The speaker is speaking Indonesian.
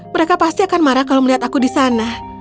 mereka pasti akan marah kalau melihat aku di sana